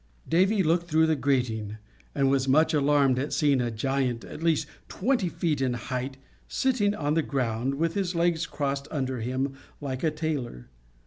Davy looked through the grating, and was much alarmed at seeing a giant, at least twenty feet in height, sitting on the ground, with his legs crossed under him like a tailor.